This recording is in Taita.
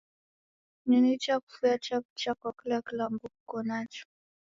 Ni nicha kufunya chaw'ucha kwa kila kilambo kuko nacho.